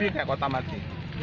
pasir kayak kota mati